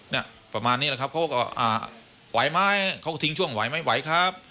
เนี่ยประมาณนี้แหละครับเขาก็อ่าไหวไหมเขาก็ทิ้งช่วงไหวไม่ไหวครับ